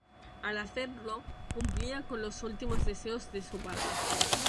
Al hacerlo, cumplía con los últimos deseos de su padre.